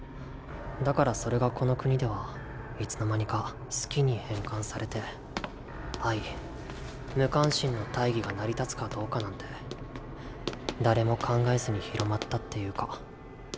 だからそれがこの国ではいつの間にか「好き」に変換されて「愛」「無関心」の対義が成り立つかどうかなんて誰も考えずに広まったっていうか。